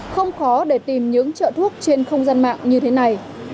không khó để tìm những trợ thuốc trên không gian mạng như thế này